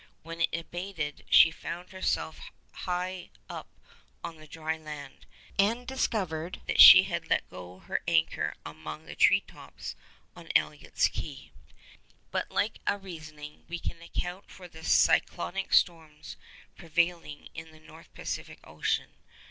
When it abated she found herself high up on the dry land, and discovered that she had let go her anchor among the tree tops on Elliot's Key.' By a like reasoning, we can account for the cyclonic storms prevailing in the North Pacific Ocean.